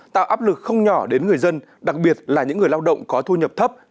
tạo áp lực không nhỏ đến người dân đặc biệt là những người lao động có thu nhập thấp